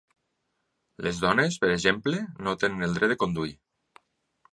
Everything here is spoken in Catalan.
Les dones, per exemple, no tenen el dret de conduir.